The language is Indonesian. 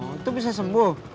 itu bisa sembuh